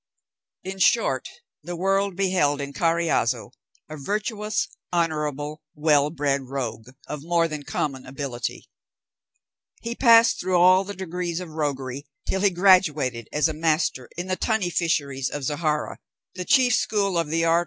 In short, the world beheld in Carriazo a virtuous, honourable, well bred, rogue, of more than common ability. He passed through all the degrees of roguery till he graduated as a master in the tunny fisheries of Zahara, the chief school of the art.